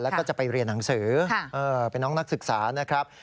แล้วก็จะไปเรียนหนังสือเป็นน้องนักศึกษานะครับ